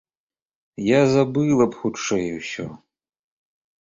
Я забыла б хутчэй усё.